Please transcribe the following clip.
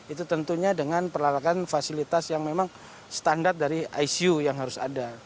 itu tentunya dengan perlalakan fasilitas yang memang standar dari icu yang harus ada